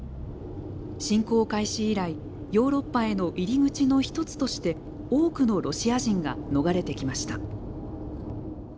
侵攻開始以来ヨーロッパへの入り口のひとつとして多くのロシア人が逃れてきました。